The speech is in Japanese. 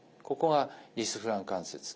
ここがリスフラン関節。